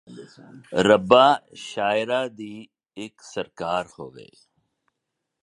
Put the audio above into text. ਰੱਬਾ ਸ਼ਾਇਰਾ ਦੀ ਇਕ ਸਰਕਾਰ ਹੋਵੇ